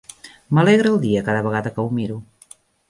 M'alegra el dia cada vegada que ho miro.